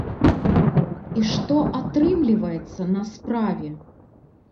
І што атрымліваецца на справе?